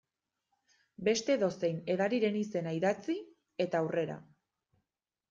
Beste edozein edariren izena idatzi, eta aurrera.